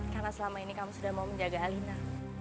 karena selama ini kamu sudah mau menjaga alina